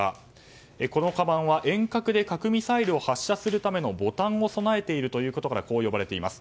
このかばんは遠隔で核ミサイルを発射するためのボタンを備えているということからこう呼ばれています。